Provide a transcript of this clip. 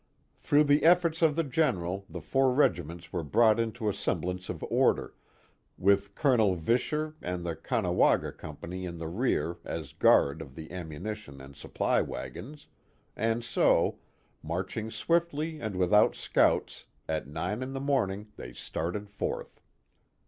Through the efforts of the General the four regiments were brought into a semblance of order, with Colonel Visscher and the Caughnawaga company in the rear as guard of the ammunition and supply wagons, and so, marching swiftly and without scouts, at nine in the morning they started forth.